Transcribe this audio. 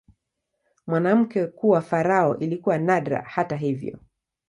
Mwanamke kuwa farao ilikuwa nadra, hata hivyo.